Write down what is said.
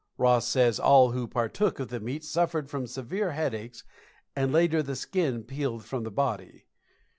Ross says all who partook of the meat suffered from severe headaches, and later the skin peeled from the body.